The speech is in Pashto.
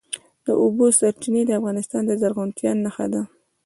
د اوبو سرچینې د افغانستان د زرغونتیا نښه ده.